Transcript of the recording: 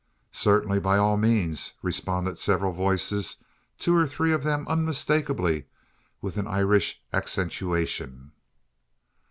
"Certainly, by all means!" responded several voices, two or three of them unmistakably with an Irish accentuation.